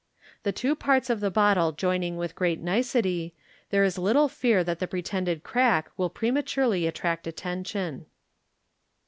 The two parts of the bottle joining with great nicety, there is little fear that the pretended crack will prematurely attract attention.